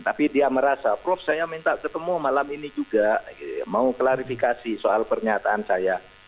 tapi dia merasa prof saya minta ketemu malam ini juga mau klarifikasi soal pernyataan saya